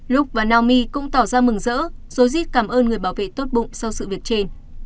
luke và naomi cũng tỏ ra mừng rỡ rồi giết cảm ơn người bảo vệ tốt bụng sau sự việc trên